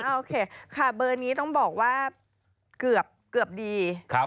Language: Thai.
โอเคค่ะเบอร์นี้ต้องบอกว่าเกือบดี